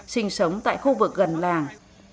sinh sống tại khu vực gần làng